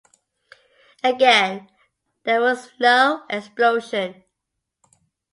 Again there was no explosion.